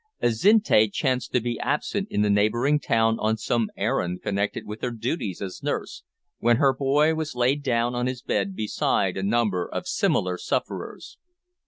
Azinte chanced to be absent in the neighbouring town on some errand connected with her duties as nurse, when her boy was laid on his bed beside a number of similar sufferers.